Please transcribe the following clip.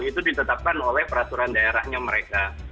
itu ditetapkan oleh peraturan daerahnya mereka